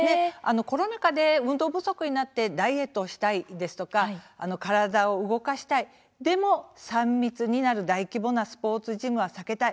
コロナ禍で運動不足になってダイエットをしたいとか体を動かしたいでも、３密になる大規模なスポーツジムは避けたい